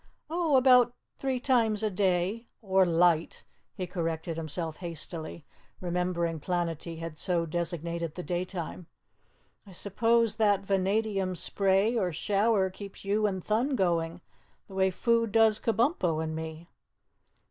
"Oh, about three times a day or light," he corrected himself hastily, remembering Planetty had so designated the daytime. "I suppose that vanadium spray or shower keeps you and Thun going, the way food does Kabumpo and me?"